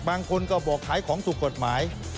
บางคนก็บอกขายของถูกกฎหมาย